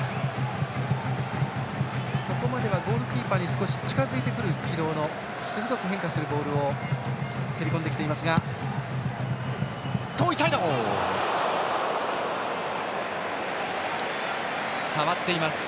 ここまではゴールキーパーに近づいてくる軌道の鋭く変化するボールを蹴っています。